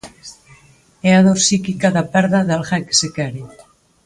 E a dor psíquica da perda de alguén que se quere.